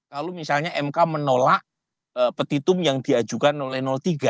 kalau misalnya mk menolak petitum yang diajukan oleh tiga